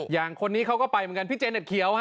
อย่างคนนี้เขาก็ไปเหมือนกันพี่เจเน็ตเขียวฮ